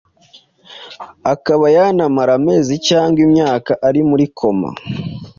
akaba yanamara amezi cyangwa imyaka ari muri koma.